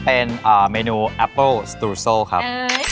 เป็นเมนูแอปเปิ้ลสตูโซ่ครับ